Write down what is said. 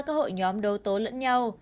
các hội nhóm đấu tố lẫn nhau